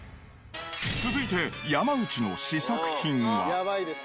続いて、山内の試作品は。